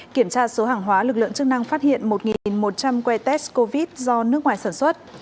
kiểm tra số hàng hóa lực lượng chức năng phát hiện một một trăm linh que test covid do nước ngoài sản xuất